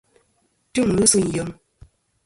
Tim ghi sûyn yem.